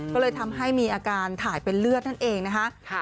ก็เลยทำให้มีอาการถ่ายเป็นเลือดนั่นเองนะคะ